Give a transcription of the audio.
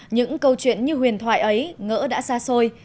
những câu chuyện như huyền thoại ấy ngỡ đã xa xôi